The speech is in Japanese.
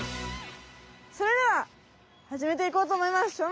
それでははじめていこうと思います。